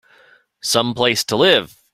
Some place to live!